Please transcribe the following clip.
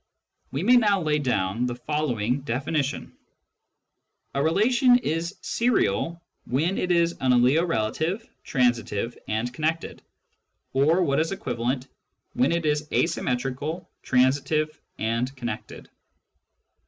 We now lay down the following definition :— A relation is serial when it is an aliorelative, transitive, and connected ; or, what is equivalent, when it is asymmetrical, transitive, and connected.